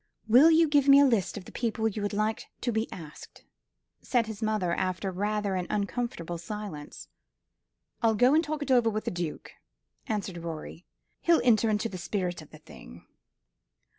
"Will you give me a list of the people you would like to be asked?" said his mother, after rather an uncomfortable silence. "I'll go and talk it over with the Duke," answered Rorie. "He'll enter into the spirit of the thing."